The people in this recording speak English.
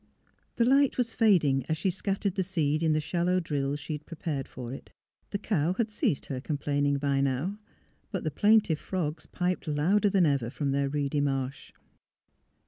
The light was fading as she scattered the seed in the shallow drills she had prepared for it. The cow had ceased her complaining by now; but the plaintive frogs piped louder than ever from their reedy marsh.